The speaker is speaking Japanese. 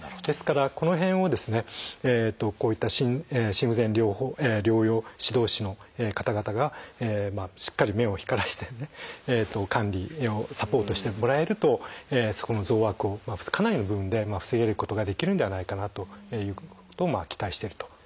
ですからこの辺をですねこういった心不全療養指導士の方々がしっかり目を光らせてね管理サポートをしてもらえるとそこの増悪をかなりの部分で防げることができるんではないかなということを期待してると。